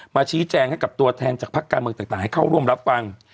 ชี้แจงให้กับตัวแทนจากภาคการเมืองต่างให้เข้าร่วมรับฟัง